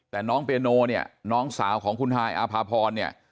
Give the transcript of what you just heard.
แต่น้องเปียโนเนี่ยน้องสาวของคุณฮายอาภาพรเนี่ย